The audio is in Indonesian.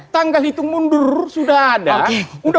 tanggal hitung mundur sudah ada